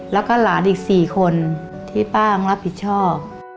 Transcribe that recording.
แล้วก็หลานอีก๔คนที่ป้าต้องรับผิดชอบ